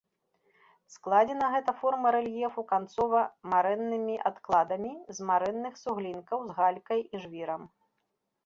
Складзена гэта форма рэльефу канцова-марэннымі адкладамі з марэнных суглінкаў з галькай і жвірам.